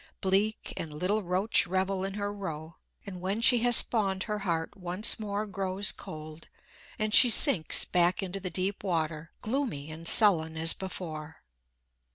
Bleak and little roach revel in her roe; and when she has spawned her heart once more grows cold, and she sinks back into the deep water, gloomy and sullen as before.